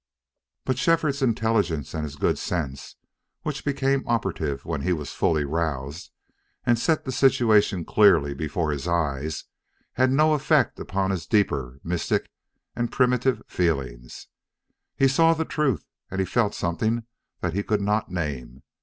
But Shefford's intelligence and his good sense, which became operative when he was fully roused and set the situation clearly before his eyes, had no effect upon his deeper, mystic, and primitive feelings. He saw the truth and he felt something that he could not name.